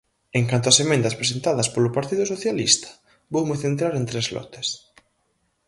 En canto ás emendas presentadas polo Partido Socialista, voume centrar en tres lotes.